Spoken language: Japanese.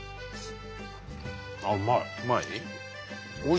あっうまい。